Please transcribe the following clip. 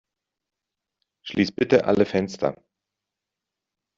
Schließ bitte alle Fenster!